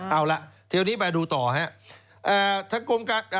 เอาล่ะทีนี้มาดูต่อครับ